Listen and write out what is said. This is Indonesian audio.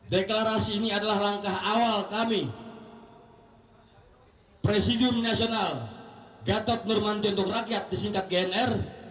deklarasi ini adalah langkah awal kami presidium nasional gatot nurmanti untuk rakyat disingkat gnr